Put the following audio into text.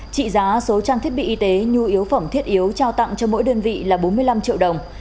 trị giá số trang thiết bị y tế nhu yếu phẩm thiết yếu trao tặng cho mỗi đơn vị là bốn mươi năm triệu đồng